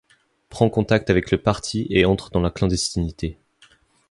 Prend contact avec le Parti et entre dans la clandestinité.